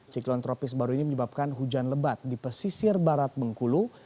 siklon tropis baru ini menyebabkan hujan lebat di pesisir barat bengkulu